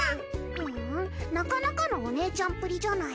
ふんなかなかのお姉ちゃんっぷりじゃない。